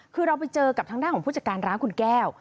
คือเราไปเจอกับทางด้านของผู้จัดการร้านคุณแก้ว